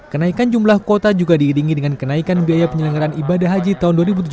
kenaikan jumlah kuota juga diiringi dengan kenaikan biaya penyelenggaran ibadah haji tahun dua ribu tujuh belas